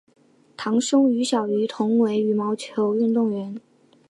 堂兄于小渝同为羽毛球运动员。